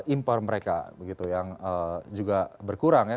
impor mereka begitu yang juga berkurang ya